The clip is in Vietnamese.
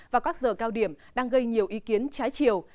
vào các giờ cao điểm đang gây nhiều ý kiến trái chiều